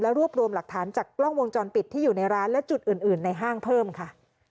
รวบรวมหลักฐานจากกล้องวงจรปิดที่อยู่ในร้านและจุดอื่นในห้างเพิ่มค่ะ